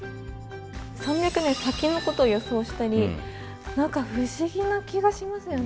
３００年先のことを予想したり何か不思議な気がしますよね。